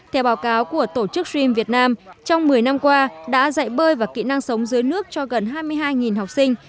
theo báo cáo của tổ chức sream việt nam trong một mươi năm qua đã dạy bơi và kỹ năng sống dưới nước cho gần hai mươi hai học sinh